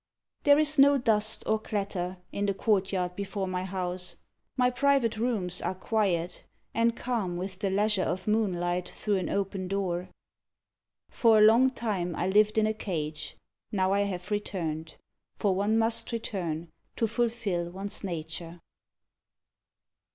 There is no dust or clatter In the courtyard before my house. My private rooms are quiet, And calm with the leisure of moonlight through an open door. For a long time I lived in a cage; Now I have returned. For one must return To fulfil one's nature.